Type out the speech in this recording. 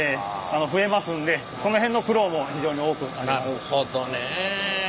なるほどね。